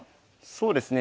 そうですね